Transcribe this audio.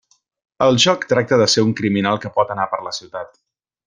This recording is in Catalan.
El joc tracta de ser un criminal que pot anar per la ciutat.